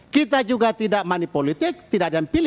kita juga tidak manipolitik tidak ada impian